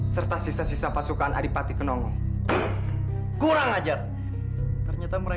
semoga saja irang anakku masih hidup